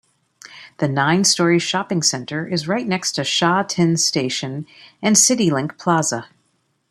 The nine-storey shopping centre is right next to Sha Tin Station and Citylink Plaza.